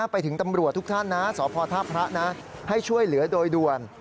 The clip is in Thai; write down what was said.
ไปถึงตำรวจทุกท่านนะสพท่าพระนะให้ช่วยเหลือโดยด่วน